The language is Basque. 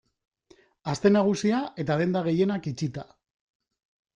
Aste Nagusia eta denda gehienak itxita.